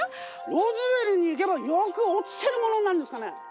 ロズウェルに行けばよく落ちてるものなんですかね？